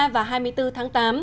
hai mươi ba và hai mươi bốn tháng